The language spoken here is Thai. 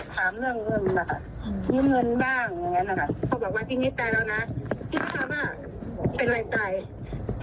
พูดเฝียบบอกว่าจริงนี่ตายแล้วน่ะที่ตอบอะเป็นไรใจเฮ้ย